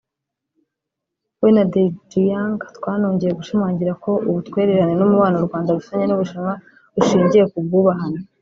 we na Dejiang ‘Twanongeye gushimangira ko ubutwererane n’umubano u Rwanda rufitanye n’u Bushinwa ushingiye ku bwubahane